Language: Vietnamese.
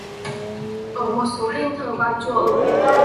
ở một số đền thờ và chùa ở Việt Nam